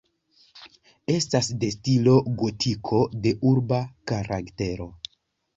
Estas de stilo gotiko, de urba karaktero.